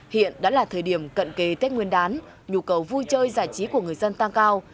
hiện đã là thời điểm cận kề tết nguyên đán nhu cầu vui chơi giải trí của người dân tăng cao